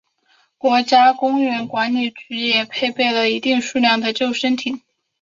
国家公园管理局也配备了一定数量的救生艇。